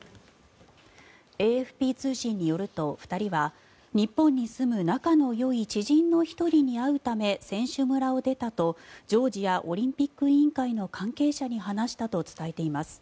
ＡＦＰ通信によると２人は日本に住む仲のよい知人の１人に会うため選手村を出たとジョージアオリンピック委員会の関係者に話したと伝えています。